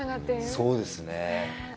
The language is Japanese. そうですね。